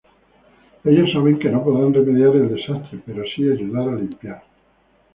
Ellos, saben que no podrán remediar el desastre, pero sí ayudar a limpiar.